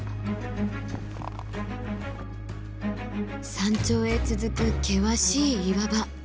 山頂へ続く険しい岩場。